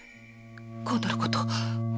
⁉今度のこと！